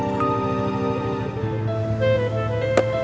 saya sudah berhenti